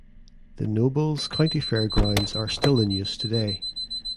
The Nobles County Fairgrounds are still in use today.